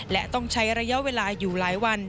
และต้องใช้ระยะเวลาอยู่หลายวัน